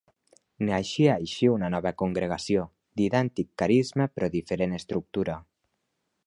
Naixia així una nova congregació, d'idèntic carisma però diferent estructura.